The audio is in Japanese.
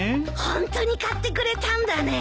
ホントに買ってくれたんだね。